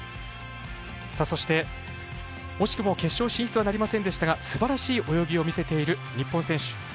そして、惜しくも決勝進出はなりませんでしたがすばらしい泳ぎを見せている日本選手。